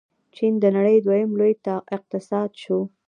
چین د نړۍ دویم لوی اقتصاد شو.